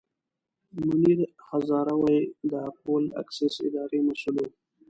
منیر هزاروي د اکول اکسیس اداري مسوول.